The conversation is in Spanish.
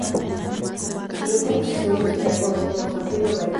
Estudió composición musical con Constantino Gaito.